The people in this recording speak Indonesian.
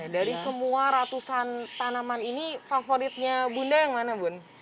dari semua ratusan tanaman ini favoritnya bunda yang mana bun